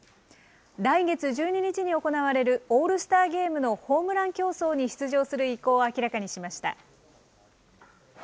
来月１２日に行われるオールスターゲームのホームラン競争に出場する意向を明らかにしました。